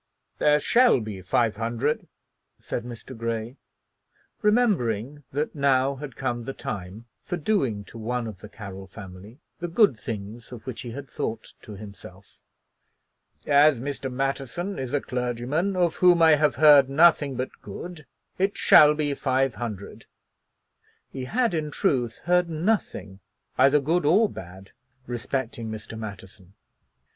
"There shall be five hundred," said Mr. Grey, remembering that now had come the time for doing to one of the Carroll family the good things of which he had thought to himself. "As Mr. Matterson is a clergyman of whom I have heard nothing but good, it shall be five hundred." He had in truth heard nothing either good or bad respecting Mr. Matterson.